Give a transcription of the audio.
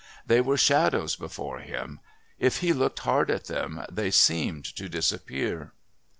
They were shadows before him. If he looked hard at them, they seemed to disappear....